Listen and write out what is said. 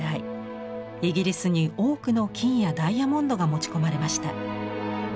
イギリスに多くの金やダイヤモンドが持ち込まれました。